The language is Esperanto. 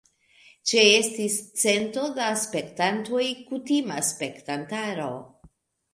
Ĉeestis cento da spektantoj kutima spektantaro.